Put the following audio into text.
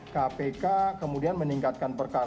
kpk kemudian meningkatkan perkembangan